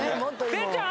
哲ちゃん